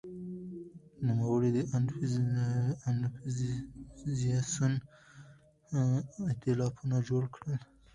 نوموړي د اپوزېسیون ائتلافونه جوړ کړل.